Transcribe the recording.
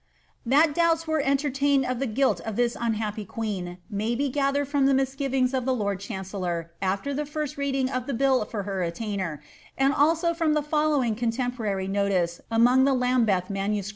"' That donbts were entertained of the guilt of this unhappy queen maj be gathered from the misgivings of the lord chancellor after the first rt^ading of the bill for her attainder, and also from the following eoo temporary notice among the Lambeth MSS.